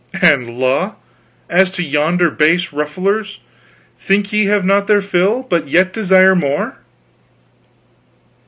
And, la, as to yonder base rufflers, think ye they have not their fill, but yet desire more?"